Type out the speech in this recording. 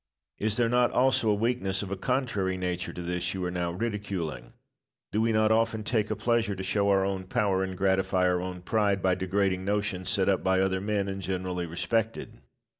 Locke. Is there not also a weakness of a contrary nature to this you are now ridiculing? Do we not often take a pleasure to show our own power and gratify our own pride by degrading notions set up by other men and generally respected?